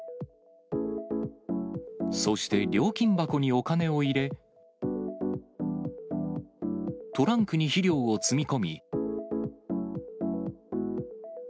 そして料金箱にお金を入れ、トランクに肥料を積み込み。